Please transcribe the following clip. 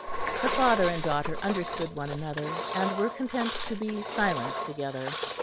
The father and daughter understood one another, and were content to be silent together.